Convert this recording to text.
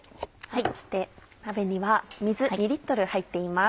そして鍋には水２入っています。